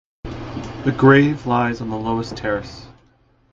The grave lies on the lowest terrace.